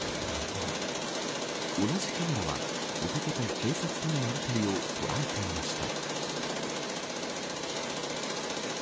同じカメラは男と警察とのやりとりを捉えていました。